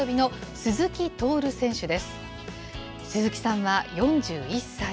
鈴木さんは４１歳。